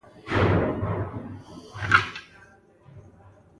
لوږه څنګه ختمه کړو؟